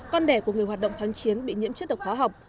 con đẻ của người hoạt động kháng chiến bị nhiễm chất độc hóa học